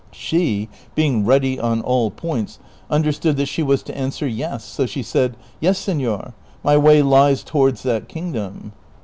She, being ready on all points, understood that she was to answer '' Yes," so she said, " Yes, senor, my way lies towards that kingdom."